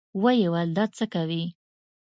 ويې ويل دا څه کوې.